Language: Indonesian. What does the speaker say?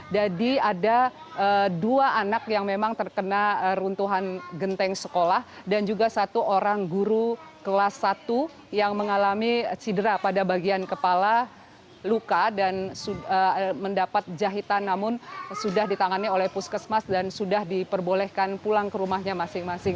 jadi ada dua anak yang memang terkena runtuhan genteng sekolah dan juga satu orang guru kelas satu yang mengalami sidra pada bagian kepala luka dan mendapat jahitan namun sudah ditangani oleh puskesmas dan sudah diperbolehkan pulang ke rumahnya masing masing